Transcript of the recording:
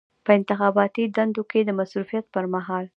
په انتخاباتي دندو کې د مصروفیت پر مهال.